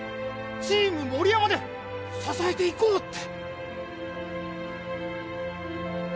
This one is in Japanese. チーム森山で支えていこうって。